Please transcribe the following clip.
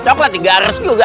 coklat di garis juga